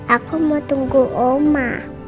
aku mau tunggu oma